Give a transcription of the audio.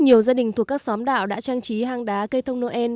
nhiều gia đình thuộc các xóm đạo đã trang trí hang đá cây thông noel